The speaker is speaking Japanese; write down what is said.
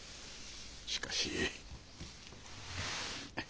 しかし。